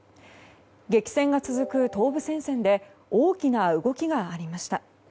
激戦が続く東部戦線で大きな動きがありました。